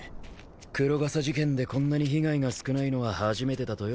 黒笠事件でこんなに被害が少ないのは初めてだとよ。